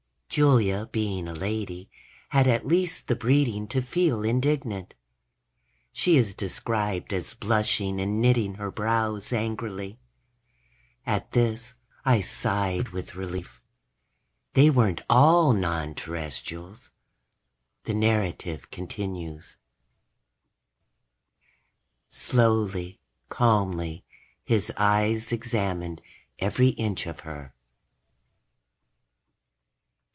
_ Julia, being a lady, had at least the breeding to feel indignant. She is described as blushing and knitting her brows angrily. At this, I sighed with relief. They weren't all non Terrestrials. The narrative continues: _... slowly, calmly, his eyes examined every inch of her.